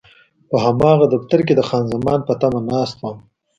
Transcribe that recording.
په هماغه دفتر کې د خان زمان په تمه ناست وم.